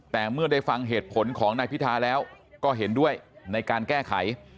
แต่เมื่อได้ฟังเหตุผลของนายพิธาแล้วก็เห็นด้วยในการแก้ไข